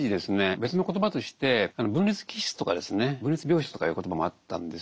別の言葉として「分裂気質」とかですね「分裂病質」とかいう言葉もあったんですよ。